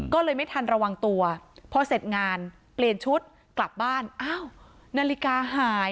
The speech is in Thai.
ก็เลยไม่ทันระวังตัวพอเสร็จงานเปลี่ยนชุดกลับบ้านอ้าวนาฬิกาหาย